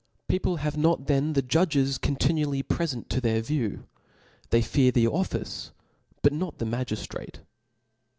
People have not then the judges continually prefent to their view ; they fear the office, J>ut not the magiilrate.